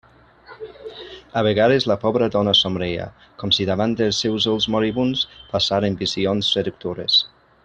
A vegades, la pobra dona somreia, com si davant dels seus ulls moribunds passaren visions seductores.